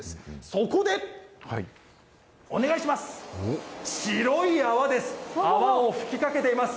そこで、お願いします。